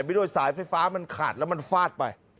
ไปด้วยสายไฟฟ้ามันขาดแล้วมันฟาดไป